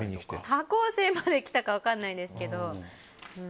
他校生まで来たかは分からないですけど。